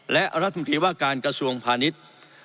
และรัฐมนตรีว่าการกระทรวงพาณิชย์